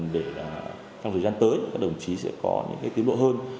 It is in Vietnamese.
để trong thời gian tới các đồng chí sẽ có những tiến độ hơn